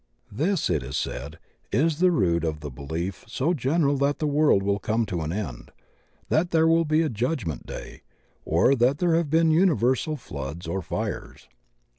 This, it is said, is the root of the belief so general that the world will come to an end, that there will be a judgment day, or that there have been imiversal floods or fires.